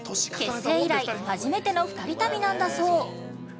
結成以来初めての２人旅なんだそう。